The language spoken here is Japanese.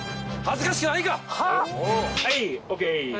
・はいＯＫ